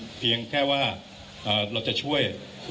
คุณผู้ชมไปฟังผู้ว่ารัฐกาลจังหวัดเชียงรายแถลงตอนนี้ค่ะ